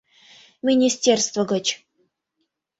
Министерство гыч.